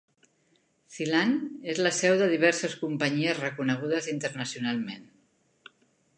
Zeeland és la seu de diverses companyies reconegudes internacionalment.